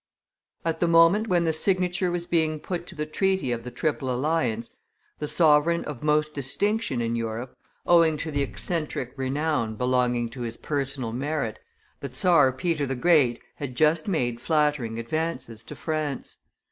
At the moment when the signature was being put to the treaty of the triple alliance, the sovereign of most distinction in Europe, owing to the eccentric renown belonging to his personal merit, the czar Peter the Great, had just made flattering advances to France.